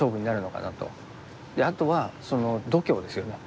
あとは度胸ですよね。